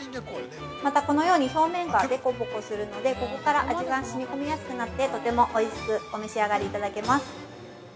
また、このように表面がでこぼこするのでここから味が染み込みやすくなってとてもおいしくお召し上がりいただけます。